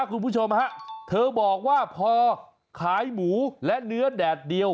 คุณผู้ชมฮะเธอบอกว่าพอขายหมูและเนื้อแดดเดียว